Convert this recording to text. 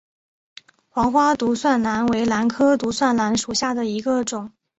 黄花独蒜兰为兰科独蒜兰属下的一个种。